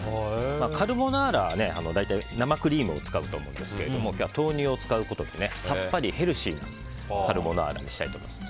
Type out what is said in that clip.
カルボナーラは大体生クリームを使うと思うんですが今日は豆乳を使うことでさっぱりヘルシーなカルボナーラにしたいと思います。